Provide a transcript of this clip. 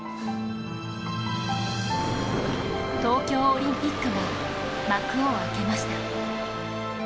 東京オリンピックが幕を開けました。